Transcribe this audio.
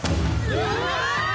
うわ！